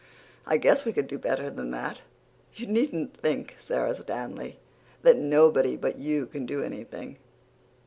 I guess we could do better than that. You needn't think, Sara Stanley, that nobody but you can do anything."